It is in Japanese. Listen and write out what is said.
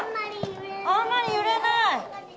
あんまり揺れない。